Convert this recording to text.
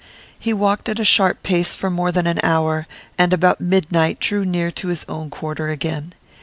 He walked at a sharp pace for more than an hour, and about midnight drew near to his own quarter again.